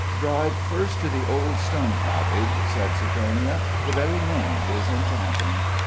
"Drive first to the Old Stone Cottage," said Sophronia; "the very name is enchanting."